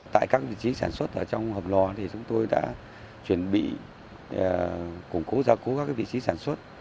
tại các vị trí sản xuất ở trong hầm lò thì chúng tôi đã chuẩn bị củng cố gia cố các vị trí sản xuất